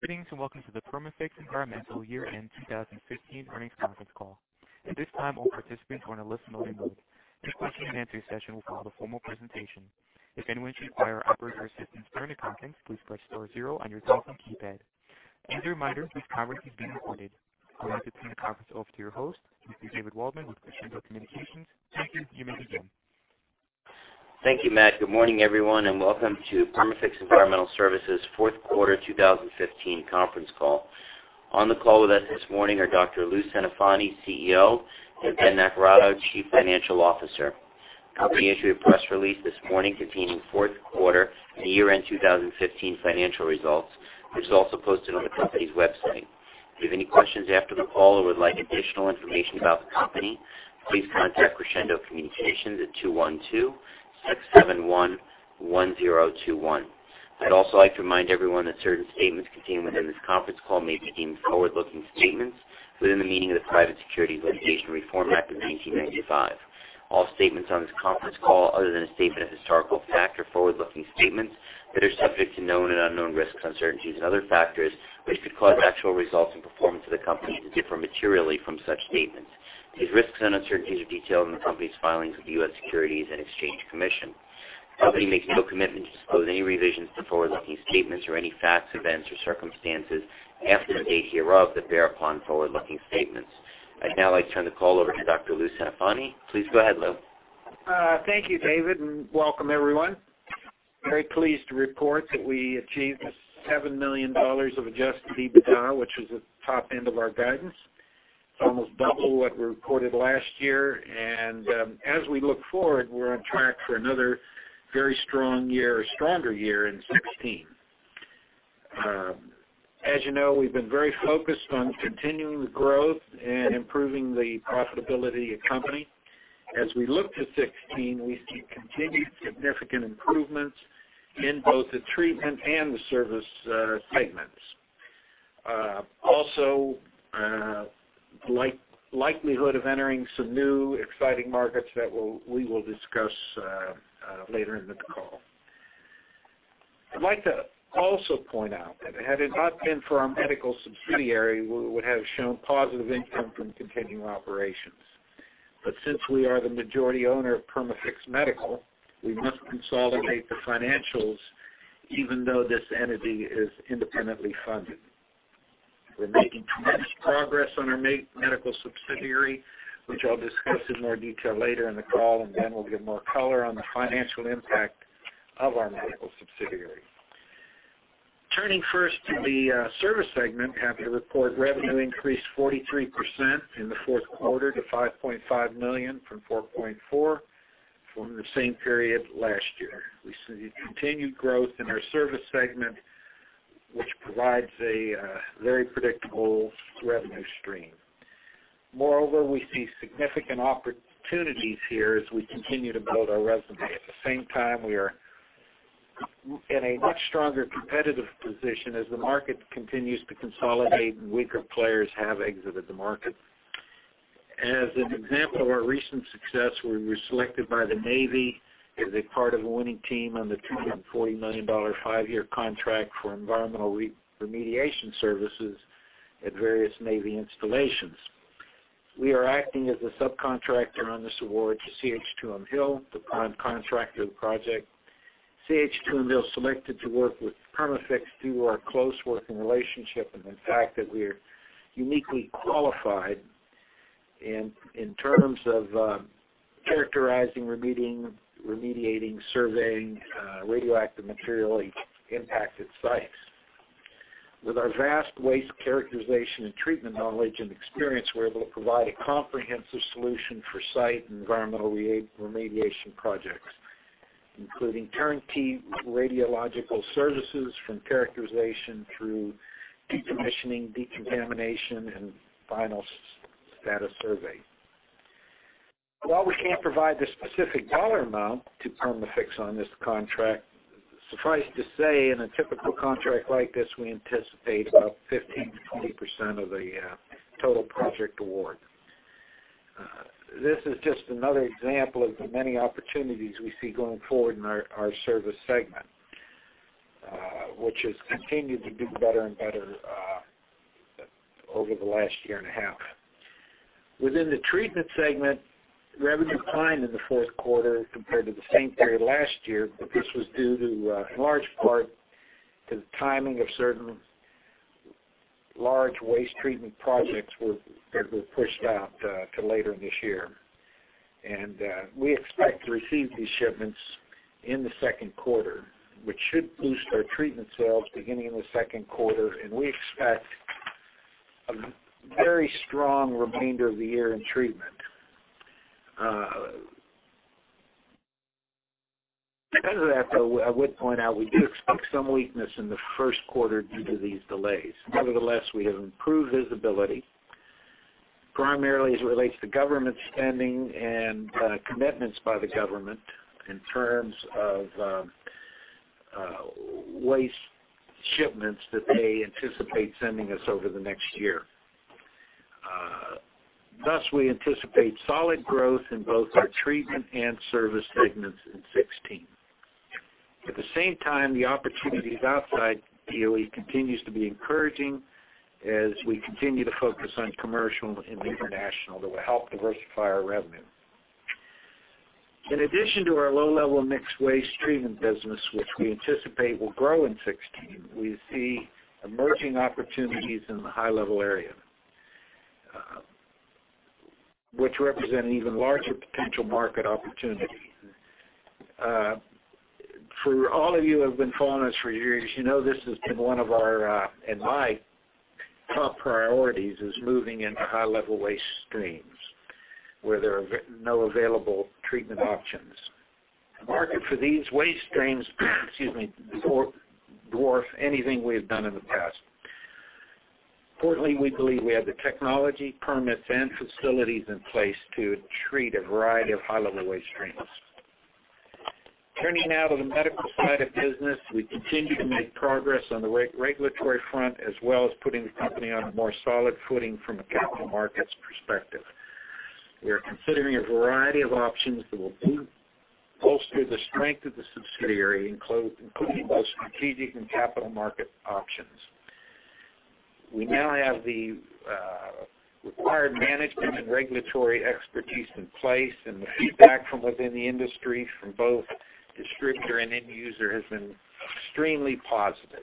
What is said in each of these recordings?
Greetings, welcome to the Perma-Fix Environmental year-end 2015 earnings conference call. At this time, all participants are in a listen-only mode. The question-and-answer session will follow the formal presentation. If anyone should require operator assistance during the conference, please press star zero on your telephone keypad. As a reminder, this conference is being recorded. I would like to turn the conference over to your host, Mr. David Waldman with Crescendo Communications. Thank you. You may begin. Thank you, Matt. Good morning, everyone, welcome to Perma-Fix Environmental Services' fourth quarter 2015 conference call. On the call with us this morning are Dr. Lou Centofanti, CEO, and Ben Naccarato, Chief Financial Officer. Company issued a press release this morning containing fourth quarter and year-end 2015 financial results, which is also posted on the company's website. If you have any questions after the call or would like additional information about the company, please contact Crescendo Communications at 671-1021. I'd also like to remind everyone that certain statements contained within this conference call may be deemed forward-looking statements within the meaning of the Private Securities Litigation Reform Act of 1995. All statements on this conference call, other than a statement of historical fact, are forward-looking statements that are subject to known and unknown risks, uncertainties and other factors, which could cause actual results and performance of the company to differ materially from such statements. These risks and uncertainties are detailed in the company's filings with the U.S. Securities and Exchange Commission. The company makes no commitment to disclose any revisions to forward-looking statements or any facts, events, or circumstances after the date hereof that bear upon forward-looking statements. I'd now like to turn the call over to Dr. Lou Centofanti. Please go ahead, Lou. Thank you, David, welcome everyone. Very pleased to report that we achieved $7 million of adjusted EBITDA, which is at the top end of our guidance. It's almost double what we reported last year, as we look forward, we're on track for another very strong year, or stronger year, in 2016. As you know, we've been very focused on continuing the growth and improving the profitability of the company. As we look to 2016, we see continued significant improvements in both the treatment and the service segments. The likelihood of entering some new exciting markets that we will discuss later in the call. I'd like to also point out that had it not been for our medical subsidiary, we would have shown positive income from continuing operations. Since we are the majority owner of Perma-Fix Medical, we must consolidate the financials even though this entity is independently funded. We're making tremendous progress on our medical subsidiary, which I'll discuss in more detail later in the call, and Ben will give more color on the financial impact of our medical subsidiary. Turning first to the service segment. Happy to report revenue increased 43% in the fourth quarter to $5.5 million from $4.4 million from the same period last year. We see continued growth in our service segment, which provides a very predictable revenue stream. Moreover, we see significant opportunities here as we continue to build our resume. At the same time, we are in a much stronger competitive position as the market continues to consolidate and weaker players have exited the market. As an example of our recent success, we were selected by the Navy as a part of a winning team on the $240 million five-year contract for environmental remediation services at various Navy installations. We are acting as a subcontractor on this award to CH2M Hill, the prime contractor of the project. CH2M Hill selected to work with Perma-Fix through our close working relationship and the fact that we're uniquely qualified in terms of characterizing, remediating, surveying radioactive material impacted sites. With our vast waste characterization and treatment knowledge and experience, we're able to provide a comprehensive solution for site and environmental remediation projects, including turnkey radiological services from characterization through decommissioning, decontamination, and final status survey. While we can't provide the specific dollar amount to Perma-Fix on this contract, suffice to say, in a typical contract like this, we anticipate about 15%-20% of the total project award. This is just another example of the many opportunities we see going forward in our service segment, which has continued to do better and better over the last year and a half. Within the treatment segment, revenue declined in the fourth quarter compared to the same period last year, but this was due in large part to the timing of certain large waste treatment projects that were pushed out to later in this year. We expect to receive these shipments in the second quarter, which should boost our treatment sales beginning in the second quarter, and we expect a very strong remainder of the year in treatment. To that, though, I would point out we do expect some weakness in the first quarter due to these delays. Nevertheless, we have improved visibility primarily as it relates to government spending and commitments by the government in terms of waste shipments that they anticipate sending us over the next year. Thus, we anticipate solid growth in both our treatment and service segments in 2016. At the same time, the opportunities outside DOE continues to be encouraging as we continue to focus on commercial and international that will help diversify our revenue. In addition to our low-level mixed waste treatment business, which we anticipate will grow in 2016, we see emerging opportunities in the high-level area, which represent an even larger potential market opportunity. For all of you who have been following us for years, you know this has been one of our, and my, top priorities, is moving into high-level waste streams where there are no available treatment options. The market for these waste streams, excuse me, dwarf anything we have done in the past. Importantly, we believe we have the technology, permits, and facilities in place to treat a variety of high-level waste streams. Turning now to the medical side of business. We continue to make progress on the regulatory front, as well as putting the company on a more solid footing from a capital markets perspective. We are considering a variety of options that will bolster the strength of the subsidiary, including both strategic and capital market options. We now have the required management and regulatory expertise in place, and the feedback from within the industry, from both distributor and end user, has been extremely positive.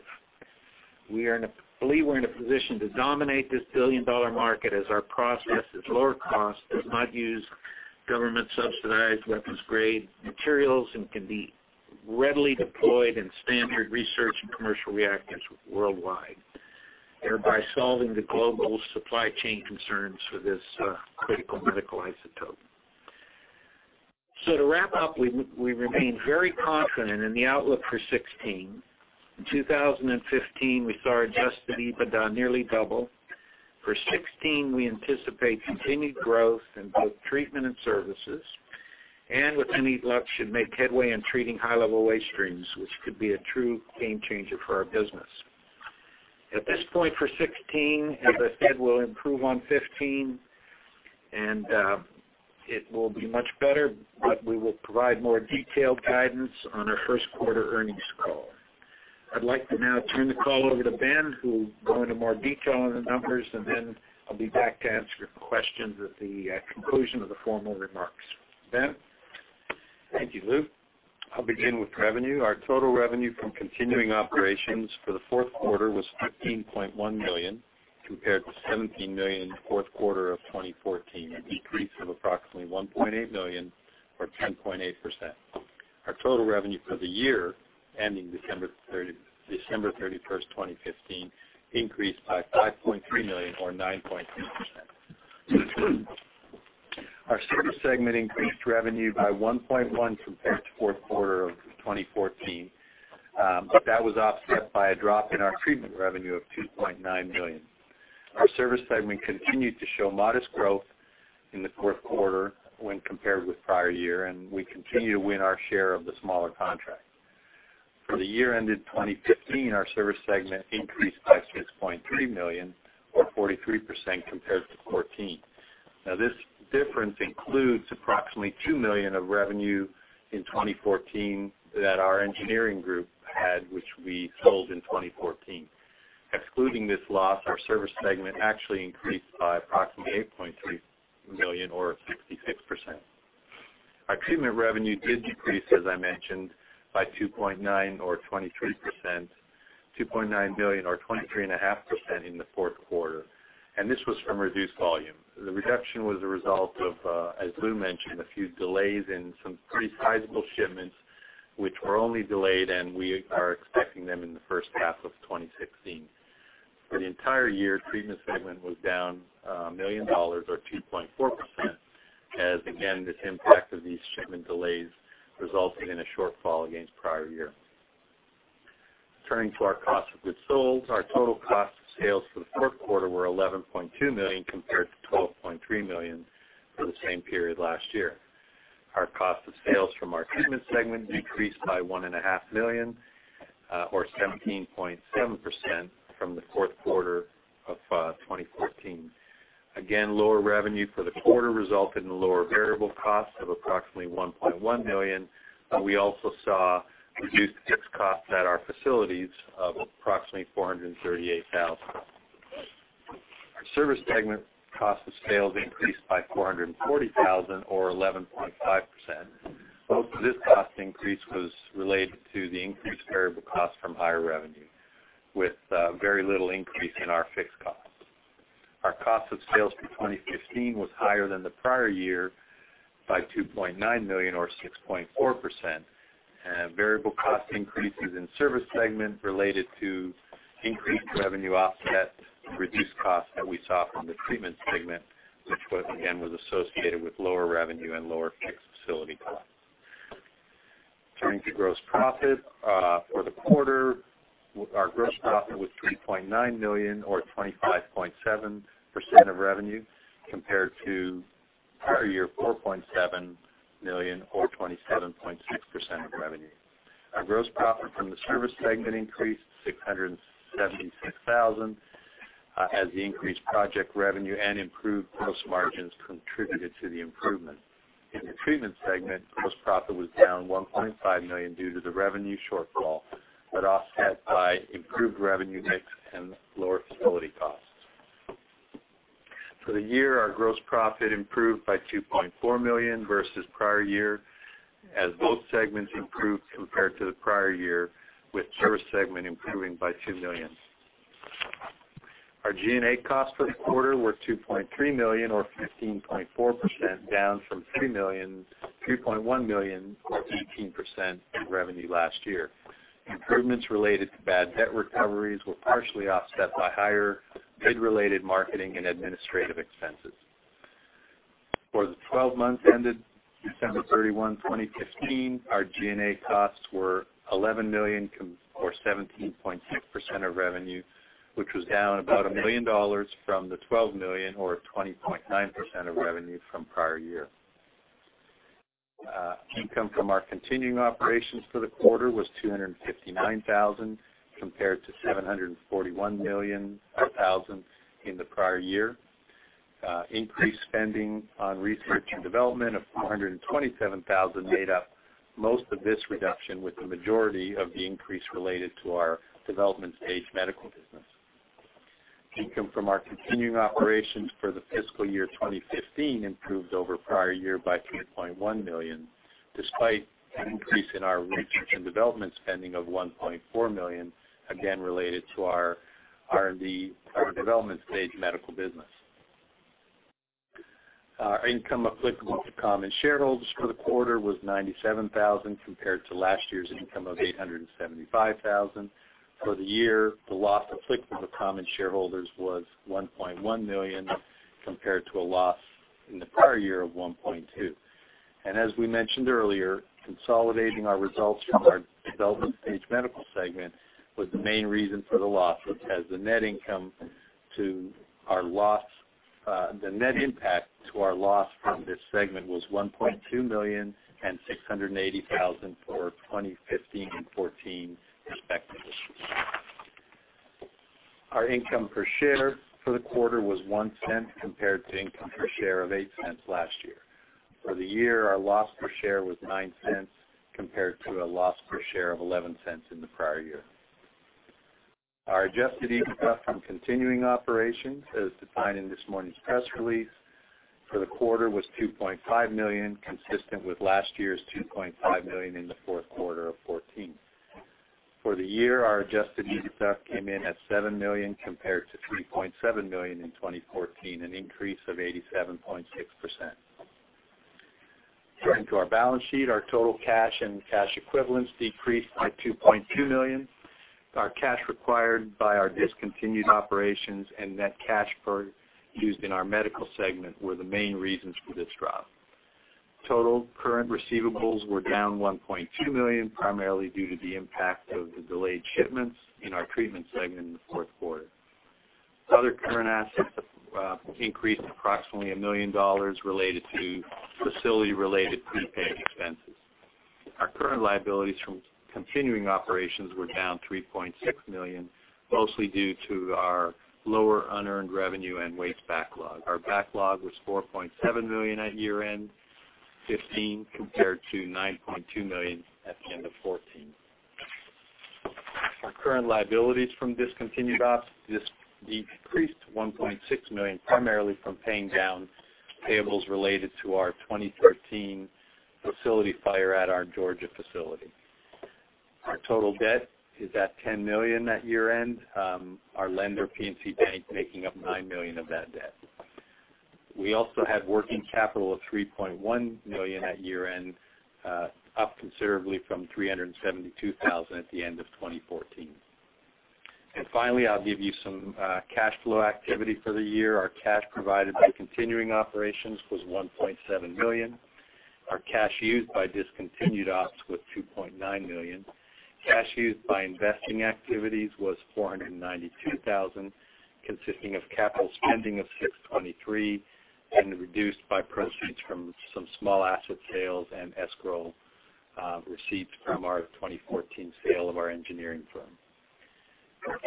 To wrap up, we remain very confident in the outlook for 2016. In 2015, we saw adjusted EBITDA nearly double. For 2016, we anticipate continued growth in both treatment and services. With any luck, should make headway in treating high-level waste streams, which could be a true game changer for our business. At this point for 2016, as I said, we'll improve on 2015, and it will be much better, but we will provide more detailed guidance on our first quarter earnings call. I'd like to now turn the call over to Ben, who'll go into more detail on the numbers, and then I'll be back to answer questions at the conclusion of the formal remarks. Ben? Thank you, Lou. I'll begin with revenue. Our total revenue from continuing operations for the fourth quarter was $15.1 million, compared to $17 million fourth quarter of 2014, a decrease of approximately $1.8 million or 10.8%. Our total revenue for the year ending December 31st, 2015, increased by $5.3 million or 9.2%. Our service segment increased revenue by $1.1 compared to fourth quarter of 2014. That was offset by a drop in our treatment revenue of $2.9 million. Our service segment continued to show modest growth in the fourth quarter when compared with prior year, and we continue to win our share of the smaller contracts. For the year ended 2015, our service segment increased by $6.3 million or 43% compared to 2014. Now, this difference includes approximately $2 million of revenue in 2014 that our engineering group had, which we sold in 2014. Excluding this loss, our service segment actually increased by approximately $8.3 million or 56%. Our treatment revenue did decrease, as I mentioned, by $2.9 million or 23.5% in the fourth quarter, and this was from reduced volume. The reduction was a result of, as Lou mentioned, a few delays in some pretty sizable shipments, which were only delayed, and we are expecting them in the first half of 2016. For the entire year, treatment segment was down $1 million or 2.4%, as again, this impact of these shipment delays resulting in a shortfall against prior year. Turning to our cost of goods sold. Our total cost of sales for the fourth quarter were $11.2 million, compared to $12.3 million for the same period last year. Our cost of sales from our treatment segment decreased by $1.5 million or 17.7% from the fourth quarter of 2014. Lower revenue for the quarter resulted in lower variable costs of approximately $1.1 million, but we also saw reduced fixed costs at our facilities of approximately $438,000. Our service segment cost of sales increased by $440,000 or 11.5%. Most of this cost increase was related to the increased variable cost from higher revenue with very little increase in our fixed costs. Our cost of sales for 2015 was higher than the prior year by $2.9 million or 6.4%. Variable cost increases in service segment related to increased revenue offset reduced costs that we saw from the treatment segment, which, again, was associated with lower revenue and lower fixed facility costs. Turning to gross profit for the quarter. Our gross profit was $3.9 million or 25.7% of revenue, compared to prior year, $4.7 million or 27.6% of revenue. Our gross profit from the service segment increased to $676,000, as the increased project revenue and improved gross margins contributed to the improvement. In the treatment segment, gross profit was down $1.5 million due to the revenue shortfall, but offset by improved revenue mix and lower facility costs. For the year, our gross profit improved by $2.4 million versus prior year, as both segments improved compared to the prior year, with service segment improving by $2 million. Our G&A costs for the quarter were $2.3 million or 15.4% down from $3.1 million or 18% of revenue last year. Improvements related to bad debt recoveries were partially offset by higher bid-related marketing and administrative expenses. For the 12 months ended December 31, 2015, our G&A costs were $11 million or 17.6% of revenue, which was down about $1 million from the $12 million or 20.9% of revenue from prior year. Income from our continuing operations for the quarter was $259,000 compared to $741,000 in the prior year. Increased spending on research and development of $427,000 made up most of this reduction, with the majority of the increase related to our development-stage medical business. Income from our continuing operations for the fiscal year 2015 improved over prior year by $3.1 million, despite an increase in our research and development spending of $1.4 million, again, related to our R&D, our development-stage medical business. Our income applicable to common shareholders for the quarter was $97,000 compared to last year's income of $875,000. For the year, the loss applicable to common shareholders was $1.1 million compared to a loss in the prior year of $1.2 million. As we mentioned earlier, consolidating our results from our development-stage Medical segment was the main reason for the loss, which has the net impact to our loss from this segment was $1.2 million and $680,000 for 2015 and 2014 respective issues. Our income per share for the quarter was $0.01 compared to income per share of $0.08 last year. For the year, our loss per share was $0.09 compared to a loss per share of $0.11 in the prior year. Our adjusted EBITDA from continuing operations, as defined in this morning's press release for the quarter, was $2.5 million, consistent with last year's $2.5 million in the fourth quarter of 2014. For the year, our adjusted EBITDA came in at $7 million compared to $3.7 million in 2014, an increase of 87.6%. Turning to our balance sheet, our total cash and cash equivalents decreased by $2.2 million. Our cash required by our discontinued operations and net cash used in our Medical segment were the main reasons for this drop. Total current receivables were down $1.2 million, primarily due to the impact of the delayed shipments in our treatment segment in the fourth quarter. Other current assets increased approximately $1 million related to facility-related prepaid expenses. Our current liabilities from continuing operations were down $3.6 million, mostly due to our lower unearned revenue and waste backlog. Our backlog was $4.7 million at year-end 2015 compared to $9.2 million at the end of 2014. Our current liabilities from discontinued ops decreased $1.6 million, primarily from paying down payables related to our 2013 facility fire at our Georgia facility. Our total debt is at $10 million at year-end. Our lender, PNC Bank, making up $9 million of that debt. We also had working capital of $3.1 million at year-end, up considerably from $372,000 at the end of 2014. Finally, I'll give you some cash flow activity for the year. Our cash provided by continuing operations was $1.7 million. Our cash used by discontinued ops was $2.9 million. Cash used by investing activities was $492,000, consisting of capital spending of $623 and reduced by proceeds from some small asset sales and escrow receipts from our 2014 sale of our engineering firm.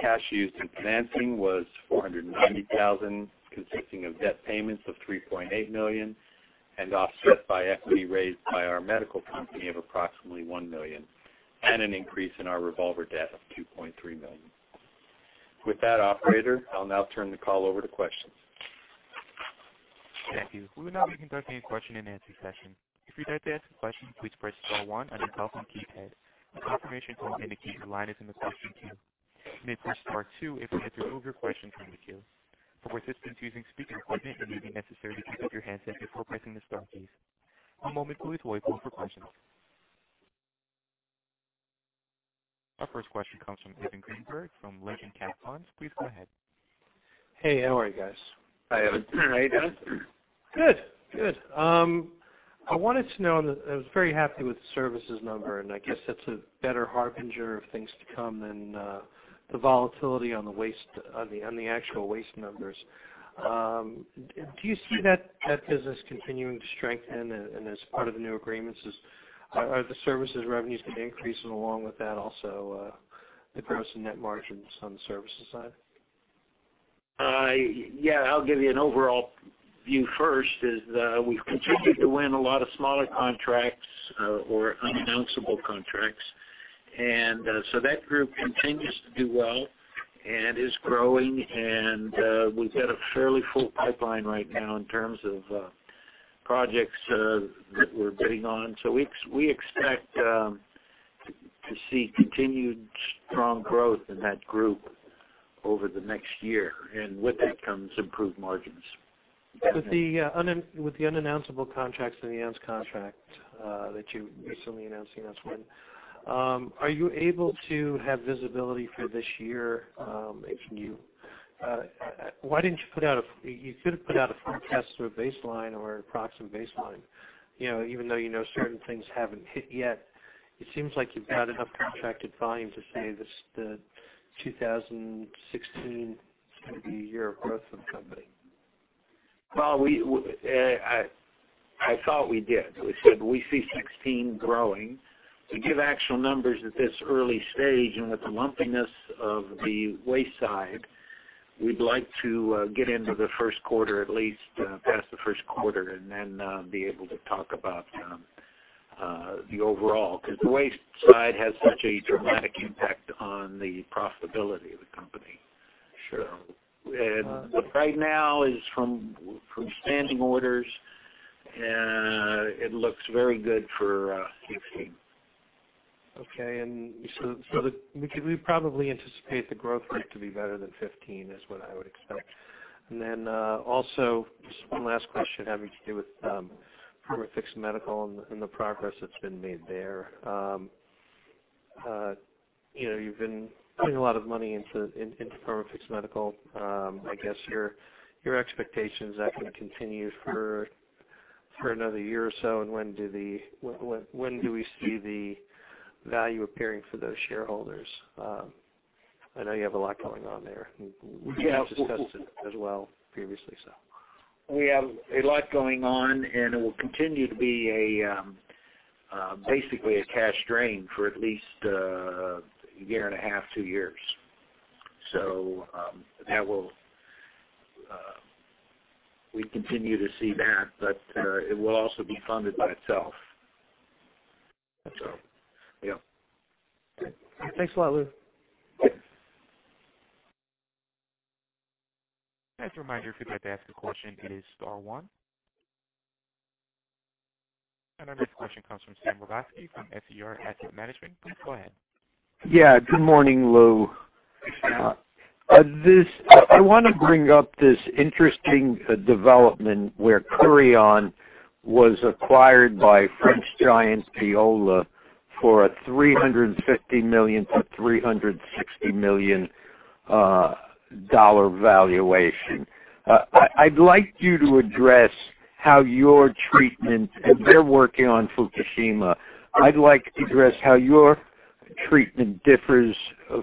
Cash used in financing was $490,000, consisting of debt payments of $3.8 million and offset by equity raised by our Medical company of approximately $1 million, and an increase in our revolver debt of $2.3 million. With that, operator, I'll now turn the call over to questions. Thank you. We will now be conducting a question-and-answer session. If you'd like to ask a question, please press star one on your telephone keypad. A confirmation tone will indicate your line is in the question queue. You may press star two if you wish to remove your question from the queue. For assistance using speaker equipment, it may be necessary to pick up your handset before pressing the star keys. One moment please while we open for questions. Our first question comes from Evan Greenberg from Lincoln Capital. Please go ahead. Hey, how are you guys? Hi, Evan. How are you doing? Good. I wanted to know, I was very happy with the services number, I guess that's a better harbinger of things to come than the volatility on the actual waste numbers. Do you see that business continuing to strengthen as part of the new agreements, are the services revenues going to be increasing along with that also, the gross and net margins on the services side? Yeah, I'll give you an overall view first, is we've continued to win a lot of smaller contracts or unannounceable contracts. That group continues to do well and is growing, we've got a fairly full pipeline right now in terms of projects that we're bidding on. We expect to see continued strong growth in that group over the next year, with that comes improved margins. With the unannounceable contracts and the announced contract that you recently announced, you announced one. Are you able to have visibility for this year? You could've put out a forecast or a baseline or approximate baseline. Even though you know certain things haven't hit yet, it seems like you've got enough contracted volume to say the 2016 is going to be a year of growth for the company. I thought we did. We said we see 2016 growing. To give actual numbers at this early stage, with the lumpiness of the waste side, we'd like to get into the first quarter, at least past the first quarter, then be able to talk about the overall. The waste side has such a dramatic impact on the profitability of the company. Sure. Right now is from standing orders, it looks very good for 2016. Okay. We probably anticipate the growth rate to be better than 2015 is what I would expect. Also, just one last question having to do with Perma-Fix Medical and the progress that's been made there. You've been putting a lot of money into Perma-Fix Medical. I guess your expectation is that could continue for another year or so, and when do we see the value appearing for those shareholders? I know you have a lot going on there. Yes. You've discussed it as well previously. We have a lot going on, it will continue to be basically a cash drain for at least a year and a half, two years. We continue to see that, but it will also be funded by itself. Yeah. Good. Thanks a lot, Lou. As a reminder, if you'd like to ask a question, it is star one. Our next question comes from Sam Lebowski from SER Asset Management. Please go ahead. Yeah, good morning, Lou. Good morning. I want to bring up this interesting development where Kurion was acquired by French giant Veolia for a $350 million-$360 million valuation. I'd like you to address how your treatment, as they're working on Fukushima, I'd like to address how your treatment differs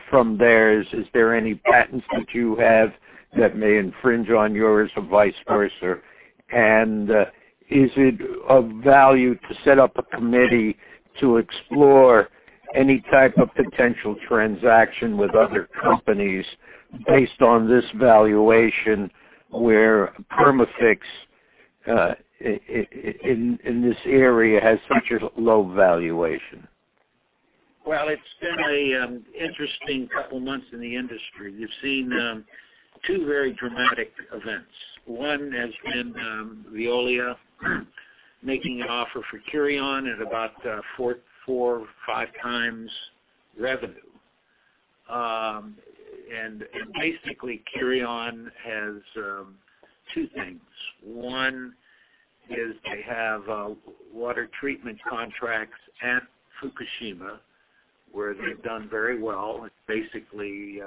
from theirs. Is there any patents that you have that may infringe on yours or vice versa? Is it of value to set up a committee to explore any type of potential transaction with other companies based on this valuation, where Perma-Fix, in this area, has such a low valuation? Well, it's been an interesting couple of months in the industry. You've seen two very dramatic events. One has been Veolia making an offer for Kurion at about four or five times revenue. Basically, Kurion has two things. One is they have water treatment contracts at Fukushima, where they've done very well with basically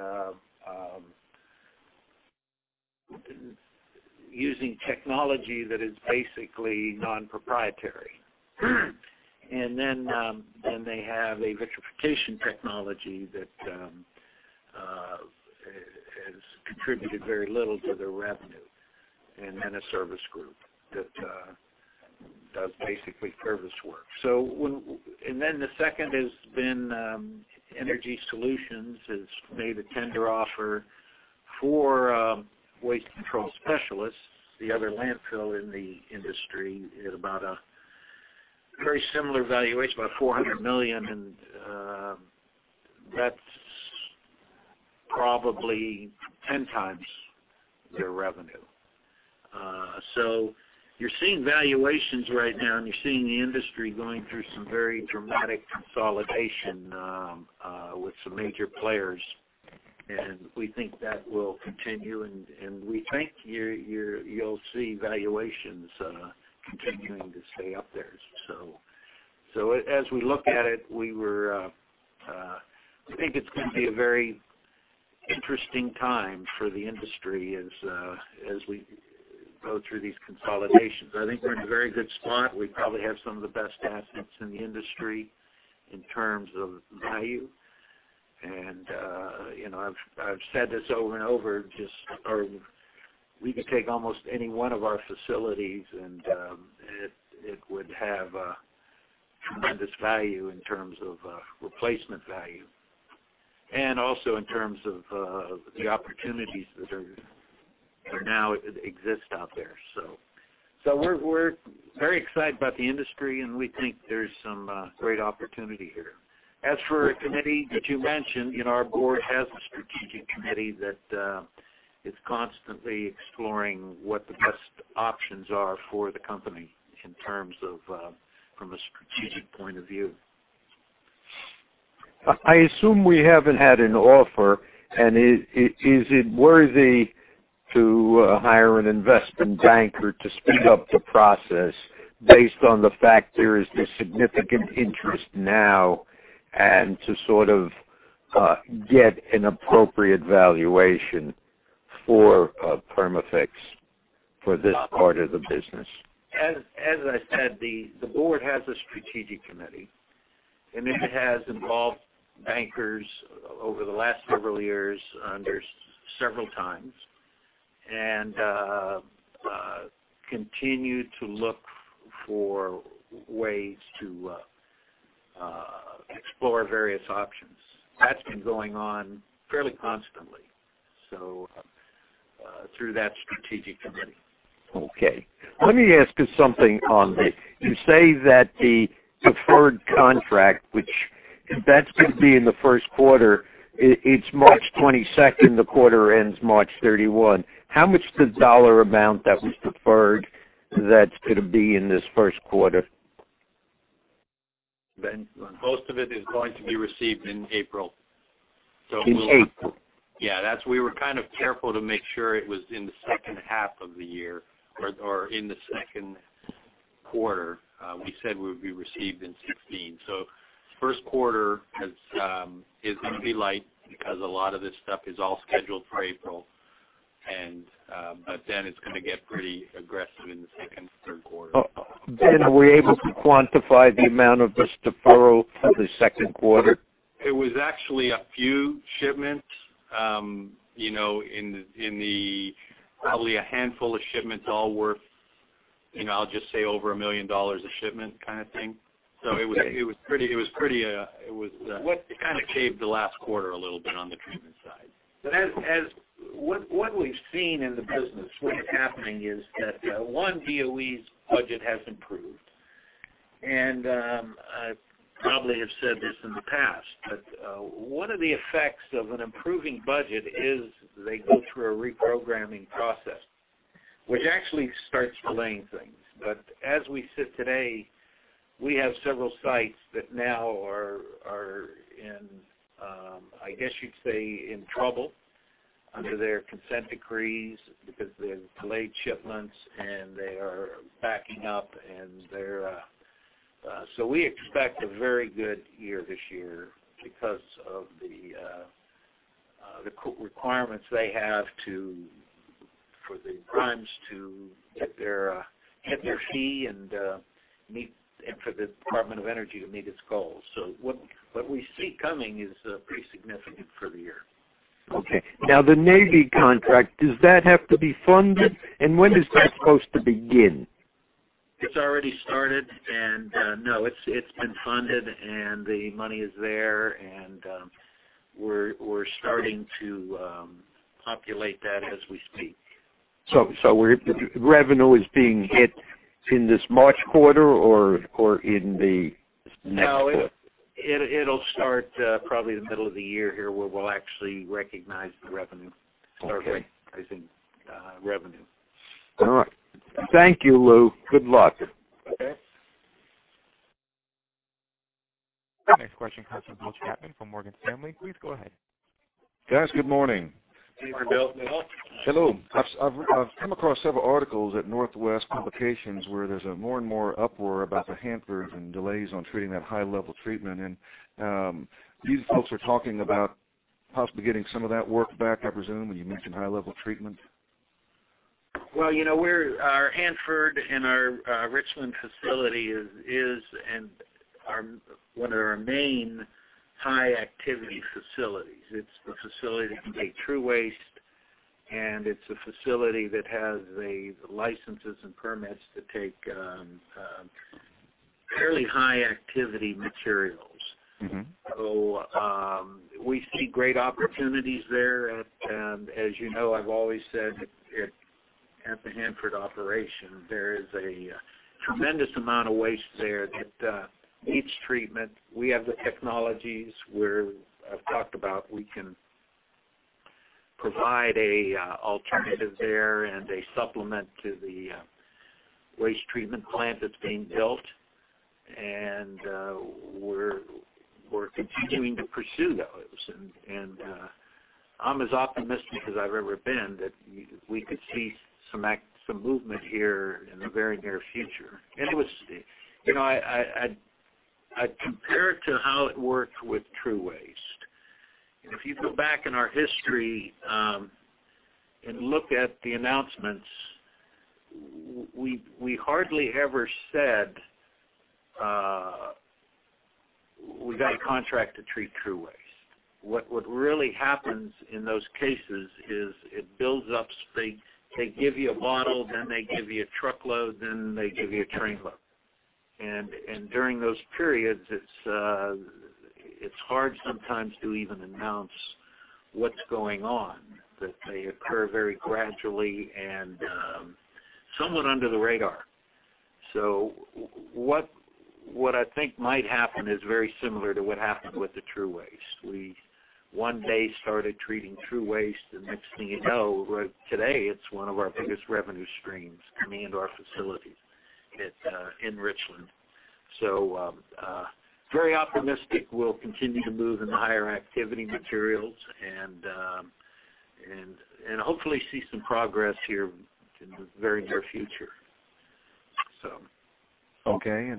using technology that is basically non-proprietary. They have a vitrification technology that has contributed very little to their revenue, and then a service group that does basically service work. The second has been EnergySolutions has made a tender offer for Waste Control Specialists, the other landfill in the industry, at about a very similar valuation, about $400 million, and that's probably 10 times their revenue. You're seeing valuations right now, and you're seeing the industry going through some very dramatic consolidation with some major players, and we think that will continue, and we think you'll see valuations continuing to stay up there. As we look at it, I think it's going to be a very interesting time for the industry as we go through these consolidations. I think we're in a very good spot. We probably have some of the best assets in the industry in terms of value. I've said this over and over, we could take almost any one of our facilities, and it would have a tremendous value in terms of replacement value, and also in terms of the opportunities that now exist out there. We're very excited about the industry, and we think there's some great opportunity here. As for a committee that you mentioned, our board has a strategic committee that is constantly exploring what the best options are for the company in terms of from a strategic point of view. I assume we haven't had an offer. Is it worthy to hire an investment banker to speed up the process based on the fact there is this significant interest now and to sort of get an appropriate valuation for Perma-Fix for this part of the business? As I said, the board has a strategic committee, and it has involved bankers over the last several years, several times, and continue to look for ways to explore various options. That's been going on fairly constantly, so through that strategic committee. Okay. Let me ask you something on this. You say that the deferred contract, which that's going to be in the first quarter. It's March 22nd. The quarter ends March 31. How much the dollar amount that was deferred that's going to be in this first quarter? Most of it is going to be received in April. In April? Yeah, we were kind of careful to make sure it was in the second half of the year or in the second quarter. We said it would be received in 2016. First quarter is going to be light because a lot of this stuff is all scheduled for April. It's going to get pretty aggressive in the second and third quarter. Are we able to quantify the amount of this deferral for the second quarter? It was actually a few shipments, probably a handful of shipments all worth, I'll just say over $1 million a shipment kind of thing. It kind of caved the last quarter a little bit on the treatment side. What we've seen in the business, what is happening is that, one, DOE's budget has improved. I probably have said this in the past, but one of the effects of an improving budget is they go through a reprogramming process, which actually starts delaying things. As we sit today, we have several sites that now are in, I guess you'd say, in trouble under their consent decrees because they've delayed shipments, and they are backing up. We expect a very good year this year because of the requirements they have for the primes to get their fee and for the Department of Energy to meet its goals. What we see coming is pretty significant for the year. Okay. Now, the Navy contract, does that have to be funded? When is that supposed to begin? It's already started, and no, it's been funded, and the money is there, and we're starting to populate that as we speak. Revenue is being hit in this March quarter or in the next quarter? No, it'll start probably the middle of the year here where we'll actually recognize the revenue. Okay. Start recognizing revenue. All right. Thank you, Lou. Good luck. Okay. Next question comes from Bill Chapman from Morgan Stanley. Please go ahead. Yes, good morning. Good morning, Bill. Hello. I've come across several articles at Northwest Publications where there's a more and more uproar about the Hanford and delays on treating that high-level treatment. These folks are talking about possibly getting some of that work back, I presume, when you mentioned high-level treatment. Well, our Hanford and our Richland facility is one of our main high-activity facilities. It's the facility that can take TRU waste. It's a facility that has the licenses and permits to take fairly high-activity materials. We see great opportunities there. As you know, I've always said at the Hanford operation, there is a tremendous amount of waste there that needs treatment. We have the technologies where I've talked about we can provide an alternative there and a supplement to the waste treatment plant that's being built. We're continuing to pursue those. I'm as optimistic as I've ever been that we could see some movement here in the very near future. I compare it to how it worked with TRU waste. If you go back in our history, and look at the announcements, we hardly ever said, "We got a contract to treat TRU waste." What really happens in those cases is it builds up. They give you a bottle, then they give you a truckload, then they give you a trainload. During those periods, it's hard sometimes to even announce what's going on, that they occur very gradually and somewhat under the radar. What I think might happen is very similar to what happened with the TRU waste. We one day started treating TRU waste, the next thing you know, today it's one of our biggest revenue streams coming into our facility in Richland. Very optimistic we'll continue to move into higher activity materials, and hopefully see some progress here in the very near future. Okay.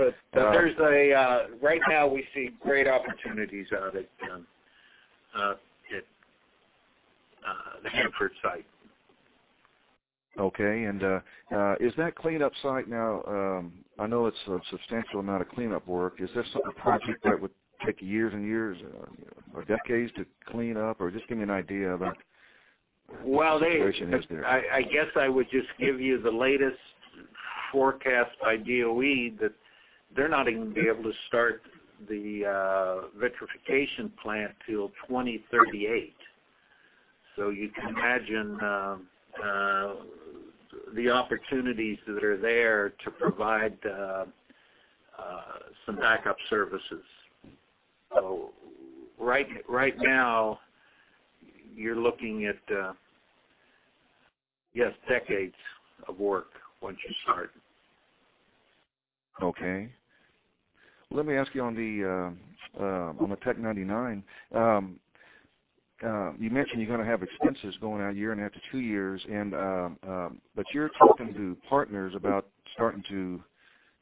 Right now we see great opportunities out at the Hanford site. Okay. Is that cleanup site now I know it's a substantial amount of cleanup work. Is this the project that would take years and years or decades to clean up? Just give me an idea about. Well, they. The situation that's there. I guess I would just give you the latest forecast by DOE that they're not even going to be able to start the vitrification plant till 2038. You can imagine the opportunities that are there to provide some backup services. Right now, you're looking at, yes, decades of work once you start. Okay. Let me ask you on the Tc-99. You mentioned you're going to have expenses going out year and a half to two years and, but you're talking to partners about starting to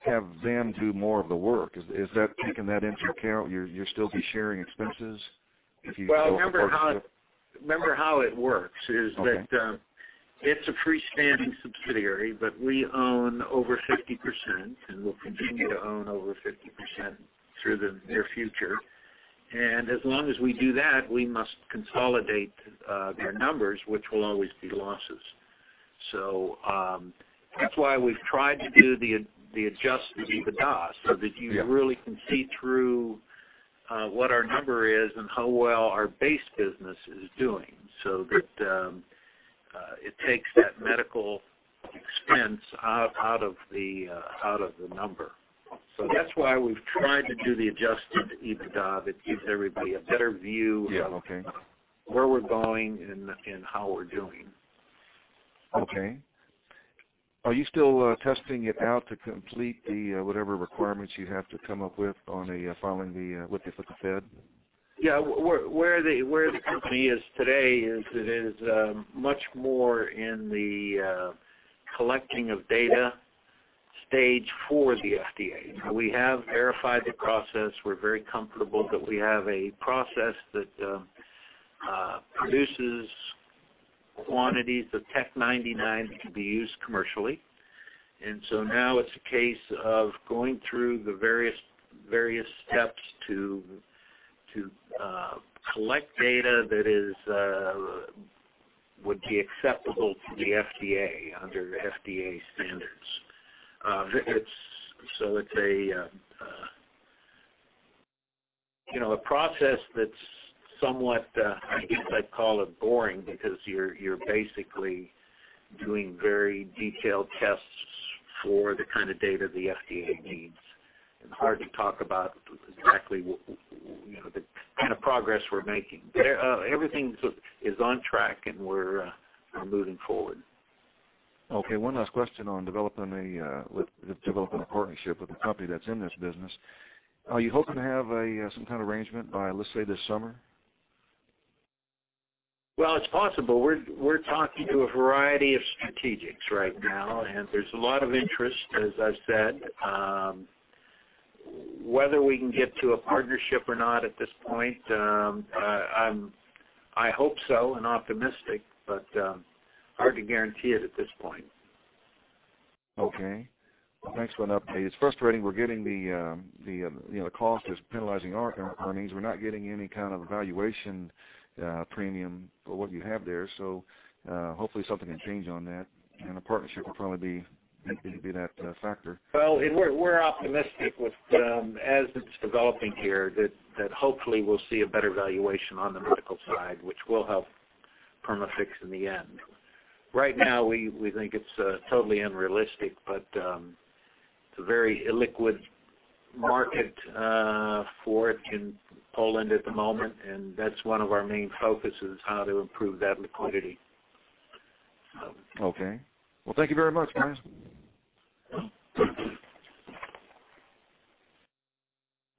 have them do more of the work. Is that taking that into account? You'll still be sharing expenses if you go a partnership? Well, remember how it works is that- Okay it's a freestanding subsidiary, but we own over 50%, and we'll continue to own over 50% through the near future. As long as we do that, we must consolidate their numbers, which will always be losses. That's why we've tried to do the adjusted EBITDA, so that you really can see through what our number is and how well our base business is doing, so that it takes that medical expense out of the number. That's why we've tried to do the adjusted EBITDA, that gives everybody a better view- Yeah. Okay. of where we're going and how we're doing. Okay. Are you still testing it out to complete the whatever requirements you have to come up with on following with the FDA? Yeah. Where the company is today is it is much more in the collecting of data stage for the FDA. Now, we have verified the process. We're very comfortable that we have a process that produces quantities of Tc-99 that can be used commercially. Now it's a case of going through the various steps to collect data that would be acceptable to the FDA under FDA standards. It's a process that's somewhat, I guess I'd call it boring because you're basically doing very detailed tests for the kind of data the FDA needs, and hard to talk about exactly the kind of progress we're making. Everything's on track, and we're moving forward. Okay. One last question on developing a partnership with a company that's in this business. Are you hoping to have some kind of arrangement by, let's say, this summer? Well, it's possible. We're talking to a variety of strategics right now. There's a lot of interest, as I've said. Whether we can get to a partnership or not at this point, I hope so and optimistic. Hard to guarantee it at this point. Okay. Well, thanks for the update. It's frustrating. We're getting the cost is penalizing our earnings. We're not getting any kind of evaluation premium for what you have there. Hopefully something can change on that. A partnership will probably be that factor. Well, we're optimistic with as it's developing here, that hopefully we'll see a better valuation on the medical side, which will help Perma-Fix in the end. Right now, we think it's totally unrealistic. It's a very illiquid market for it in Poland at the moment. That's one of our main focuses, how to improve that liquidity. Okay. Well, thank you very much, Louis.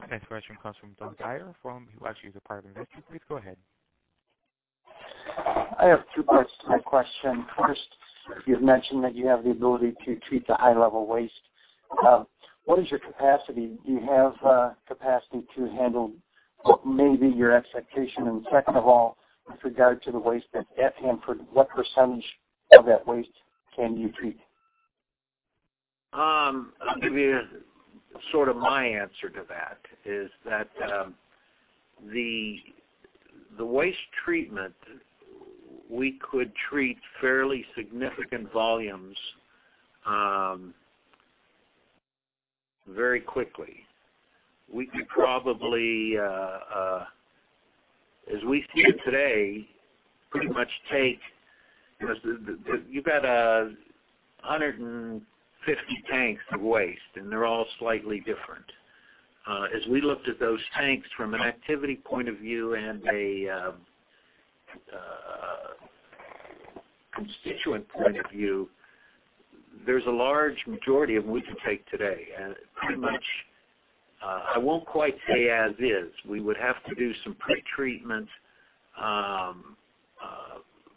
Our next question comes from Douglas Dyer from, well, actually, the Department of Energy. Please go ahead. I have two parts to my question. First, you've mentioned that you have the ability to treat the high-level waste. What is your capacity? Do you have capacity to handle what may be your expectation? Second of all, with regard to the waste that's at Hanford, what % of that waste can you treat? I'll give you my answer to that, is that the waste treatment, we could treat fairly significant volumes very quickly. We could probably, as we see it today, pretty much take, you've got 150 tanks of waste, and they're all slightly different. As we looked at those tanks from an activity point of view and a constituent point of view, there's a large majority of them we can take today, and pretty much, I won't quite say as is. We would have to do some pre-treatment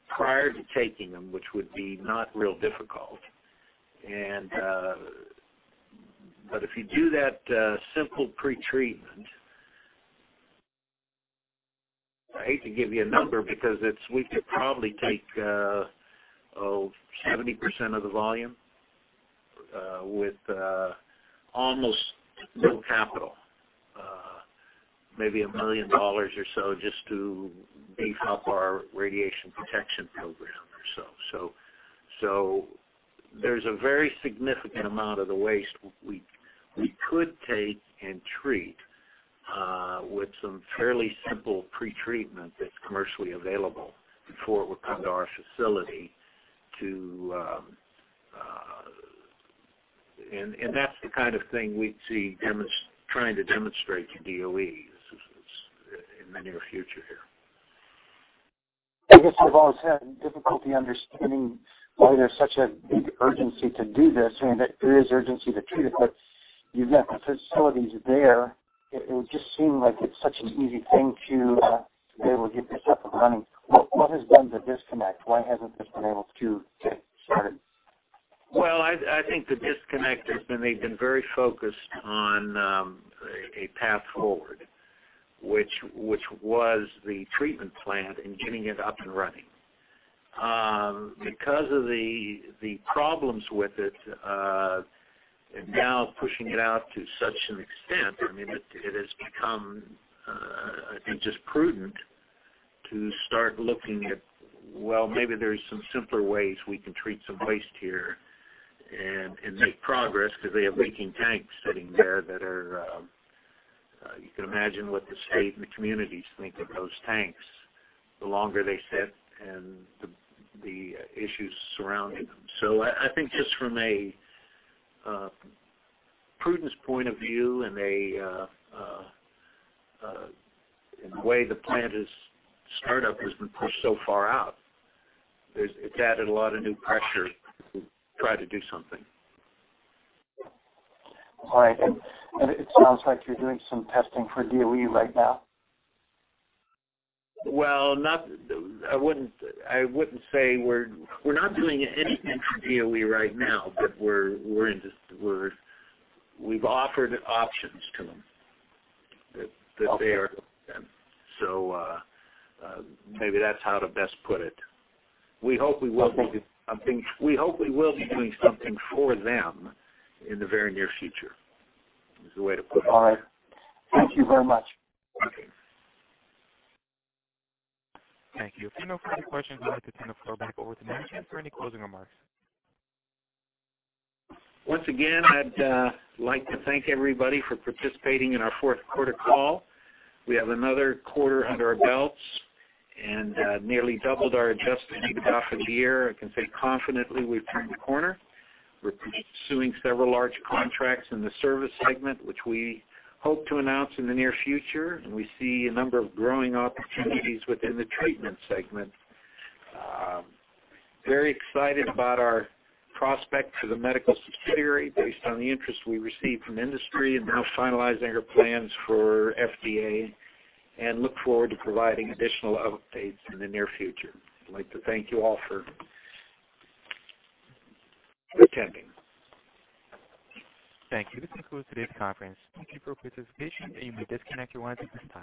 prior to taking them, which would be not real difficult. If you do that simple pre-treatment, I hate to give you a number because we could probably take, oh, 70% of the volume, with almost no capital. Maybe $1 million or so just to beef up our radiation protection program or so. There's a very significant amount of the waste we could take and treat, with some fairly simple pre-treatment that's commercially available before it would come to our facility. That's the kind of thing we'd see trying to demonstrate to DOE in the near future here. I guess I've always had difficulty understanding why there's such a big urgency to do this, and there is urgency to treat it, but you've got the facilities there. It would just seem like it's such an easy thing to be able to get this up and running. What has been the disconnect? Why hasn't this been able to get started? Well, I think the disconnect has been they've been very focused on a path forward, which was the treatment plant and getting it up and running. Because of the problems with it, and now pushing it out to such an extent, it has become, I think, just prudent to start looking at, well, maybe there's some simpler ways we can treat some waste here and make progress because they have leaking tanks sitting there. You can imagine what the state and the communities think of those tanks, the longer they sit and the issues surrounding them. I think just from a prudence point of view and a way the plant is, startup has been pushed so far out. It's added a lot of new pressure to try to do something. All right. It sounds like you're doing some testing for DOE right now? Well, I wouldn't say we're not doing anything for DOE right now, but we've offered options to them, that they are looking at. Maybe that's how to best put it. We hope we will be doing something for them in the very near future, is the way to put it. All right. Thank you very much. Okay. Thank you. If there are no further questions, I'd like to turn the floor back over to management for any closing remarks. Once again, I'd like to thank everybody for participating in our fourth quarter call. We have another quarter under our belts and nearly doubled our adjusted EBITDA for the year. I can say confidently we've turned the corner. We're pursuing several large contracts in the service segment, which we hope to announce in the near future, and we see a number of growing opportunities within the treatment segment. Very excited about our prospect for the medical subsidiary based on the interest we received from industry and now finalizing our plans for FDA and look forward to providing additional updates in the near future. I'd like to thank you all for attending. Thank you. This concludes today's conference. Thank you for your participation. You may disconnect your lines at this time.